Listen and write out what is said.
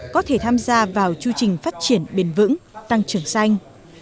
có thể tham gia vào chương trình phát triển bền vững tăng trưởng xanh